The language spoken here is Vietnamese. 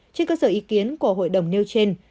trên cơ sở ý kiến của hội đồng nêu trên